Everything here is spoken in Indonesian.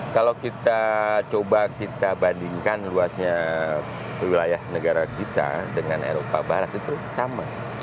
kalau kita coba kita bandingkan luasnya wilayah negara kita dengan eropa barat itu sama